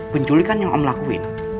penculikan yang om lakuin